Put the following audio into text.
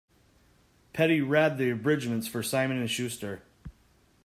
Petty read the abridgments for Simon and Schuster.